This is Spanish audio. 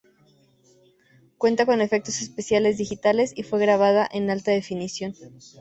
Cuenta con efectos especiales digitales y fue grabada en alta definición.